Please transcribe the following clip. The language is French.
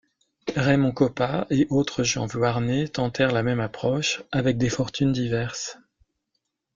Raymond Kopa et autres Jean Vuarnet tentèrent la même approche, avec des fortunes diverses.